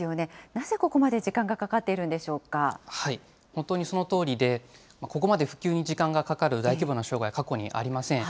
なぜここまで時間がかかっている本当にそのとおりで、ここまで復旧に時間がかかる大規模な障害、過去にありません。